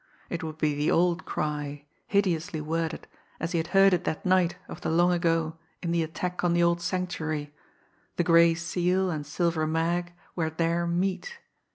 It would be the old cry, hideously worded, as he had heard it that night of the long ago in the attack on the old Sanctuary the Gray Seal and Silver Mag were their "_meat!"